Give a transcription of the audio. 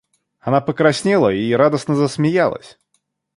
Она покраснела и радостно засмеялась.